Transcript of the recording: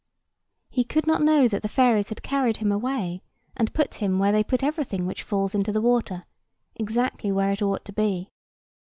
He could not know that the fairies had carried him away, and put him, where they put everything which falls into the water, exactly where it ought to be.